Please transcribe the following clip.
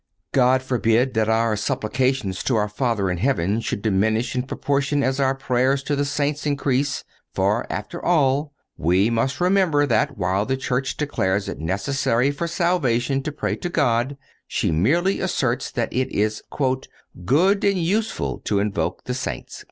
God forbid that our supplications to our Father in heaven should diminish in proportion as our prayers to the Saints increase; for, after all, we must remember that, while the Church declares it necessary for salvation to pray to God, she merely asserts that it is "good and useful to invoke the saints."